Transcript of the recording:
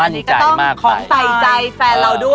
อ่ามั่นในใจมากไปอันนี้ก็ต้องของใส่ใจแฟนเราด้วย